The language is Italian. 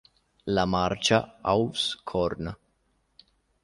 La marcia "Auf's Korn!